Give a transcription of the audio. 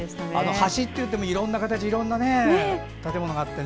橋といってもいろんな形いろんな建物があってね。